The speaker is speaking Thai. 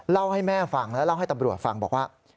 เล่าให้แม่ฟังแล้วเล่าให้ตำรวจฟังบอกว่า